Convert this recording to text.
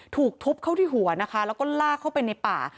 ถูกทุบเข้าที่หัวนะคะแล้วก็ลากเข้าไปในป่า